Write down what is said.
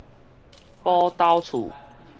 寶斗厝